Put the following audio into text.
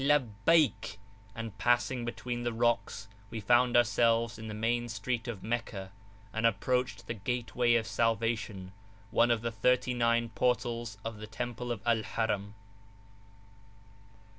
Labbaik! and passing [p.411] between the rocks, we found ourselves in the main street of Meccah, and approached the Gateway of Salvation, one of the thirty nine portals of the Temple of Al Haram.